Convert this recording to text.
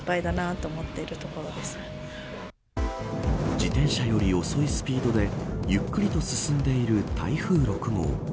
自転車より遅いスピードでゆっくりと進んでいる台風６号。